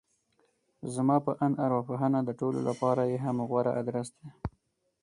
زما په اند ارواپوهنه د ټولو لپاره يې هم غوره ادرس دی.